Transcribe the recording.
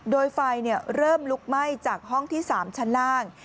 โดยไฟเริ่มลุกไหม้จากห้องที่๓ชั้นล่าง